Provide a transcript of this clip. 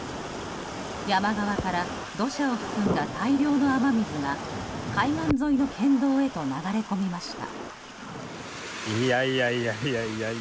山側から土砂を含んだ大量の雨水が海岸沿いの県道へと流れ込みました。